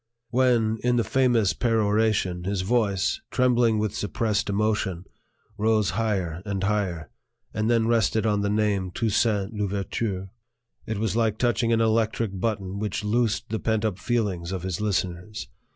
When, in the famous peroration, his voice, trembling with suppressed emotion, rose higher and higher and then rested on the name "Toussaint L'Ouverture," it was like touching an electric button which loosed the pent up feelings of his listeners.